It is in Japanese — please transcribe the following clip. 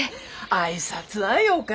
挨拶はよか。